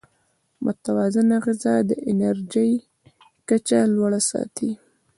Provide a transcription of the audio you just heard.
متوازن غذا د انرژۍ کچه لوړه ساتي.